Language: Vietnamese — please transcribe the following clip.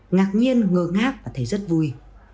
ngạc nhiên ngơ ngác và thấy rất vui